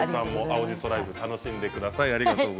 青じそライフ楽しんでください。